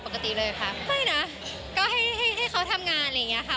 ปกติเลยค่ะไม่นะก็ให้ให้เขาทำงานอะไรอย่างเงี้ยค่ะ